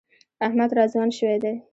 احمد را ځوان شوی دی.